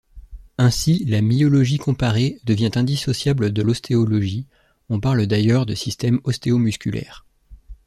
Ainsi la myologie comparée devient indissociable de l'ostéologie, on parle d'ailleurs de système ostéomusculaire.